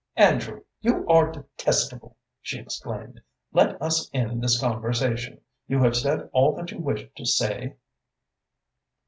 "Andrew, you are detestable!" she exclaimed. "Let us end this conversation. You have said all that you wish to say?"